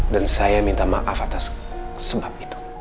dan saya minta maaf atas sebab itu